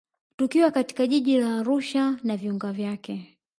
Tukiwa katika jiji la Arusha na viunga vyake